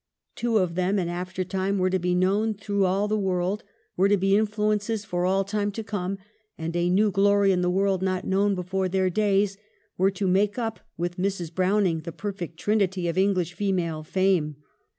Two of them, in after time, were to be known through all the world, were to be influ ences for all time to come, and, a new glory in the world not known before their days, were to make up " with Mrs. Browning the perfect trinity of English female fame."